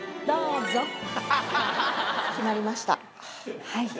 どうぞ。